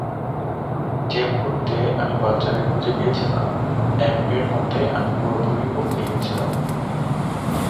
যে মুহুর্তে আমি বাচ্চাদের খুঁজে পেয়েছিলাম, অ্যাম্পের মতে আমি পুরোপুরি বদলে গেছিলাম।